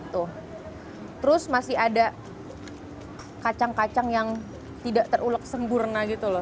tuh terus masih ada kacang kacang yang tidak terulek sempurna gitu loh